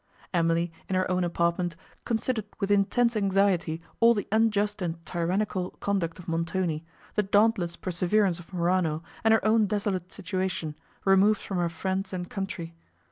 Emily, in her own apartment, considered with intense anxiety all the unjust and tyrannical conduct of Montoni, the dauntless perseverance of Morano, and her own desolate situation, removed from her friends and country.